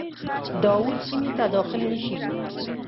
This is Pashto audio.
د اود سیمي ته داخل نه شي.